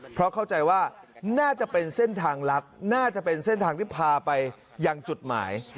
เพราะเข้าใจว่าน่าจะเป็นเส้นทางลัดน่าจะเป็นเส้นทางที่พาไปยังจุดหมาย